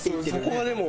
そこがでも。